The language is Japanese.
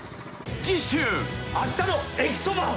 「あしたの駅そば」